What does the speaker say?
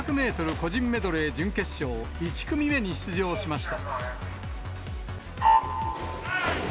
個人メドレー準決勝、１組目に出場しました。